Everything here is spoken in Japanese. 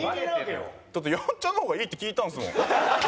だってやんちゃの方がいいって聞いたんですもん。